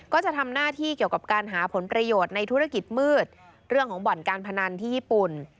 ก็จะทำหน้าที่เกี่ยวกับการหาผลประโยชน์ในธุรกิจมืดเรื่องของบ่อนการพนันที่ญี่ปุ่น